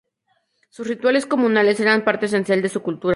Sus rituales comunales eran parte esencial de su cultura.